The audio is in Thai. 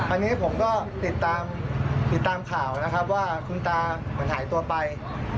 อันนี้ผมก็ติดตามติดตามข่าวนะครับว่าคุณตาเหมือนหายตัวไป